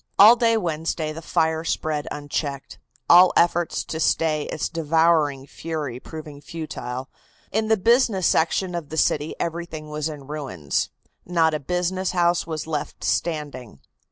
All day Wednesday the fire spread unchecked, all efforts to stay its devouring fury proving futile. In the business section of the city everything was in ruins. Not a business house was left standing.